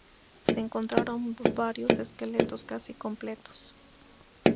Se encontraron varios esqueletos casi completos.